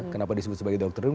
kenapa disebut sebagai dr doom